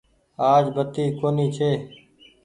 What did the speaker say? آج بتي ڪونيٚ ڇي۔